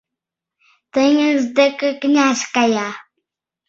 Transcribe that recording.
Теҥыз деке князь кая